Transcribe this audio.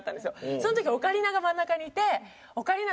その時オカリナが真ん中にいてオカリナ